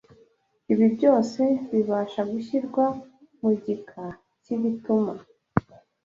Ibi byose bibasha gushyirwa mu gika cy’ibituma